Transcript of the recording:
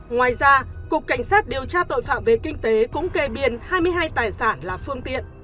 ngoài ra cục cảnh sát điều tra tội phạm về kinh tế cũng kê biên hai mươi hai tài sản là phương tiện